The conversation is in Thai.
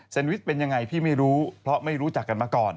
วิชเป็นยังไงพี่ไม่รู้เพราะไม่รู้จักกันมาก่อน